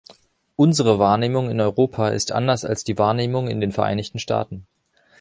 Unsere Wahrnehmung in Europa ist anders als die Wahrnehmung in den Vereinigten Staaten.